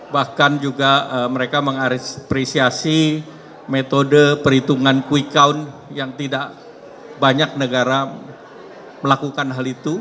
bahkan juga mereka mengapresiasi metode perhitungan quick count yang tidak banyak negara melakukan hal itu